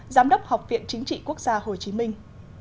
giám đốc học viện chính trị quốc gia hồ chí minh